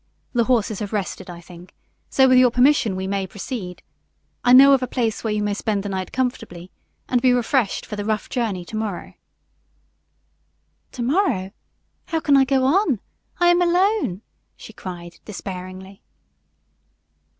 "The horses have rested, I think, so with your permission we may proceed. I know of a place where you may spend the night comfortably and be refreshed for the rough journey to morrow." "To morrow? How can I go on? I am alone," she cried, despairingly.